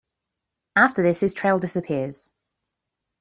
After this, his trail disappears.